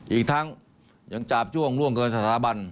อีกทั้งยังจาบจ้วงล่วงเกินสถาบัน